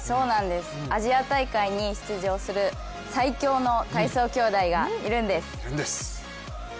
アジア大会に出場する最強の体操兄弟がいるんです。